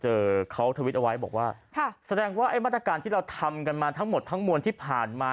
เขาทวิตเอาไว้บอกว่าแสดงว่าไอ้มาตรการที่เราทำกันมาทั้งหมดทั้งมวลที่ผ่านมา